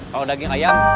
kalau daging ayam